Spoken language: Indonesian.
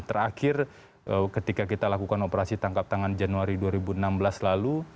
terakhir ketika kita lakukan operasi tangkap tangan januari dua ribu enam belas lalu